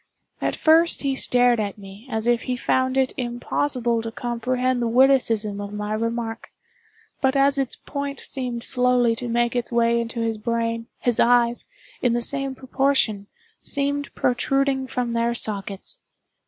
At first he stared at me as if he found it impossible to comprehend the witticism of my remark; but as its point seemed slowly to make its way into his brain, his eyes, in the same proportion, seemed protruding from their sockets.